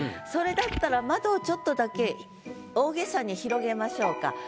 それだったら窓をちょっとだけ大げさに広げましょうか。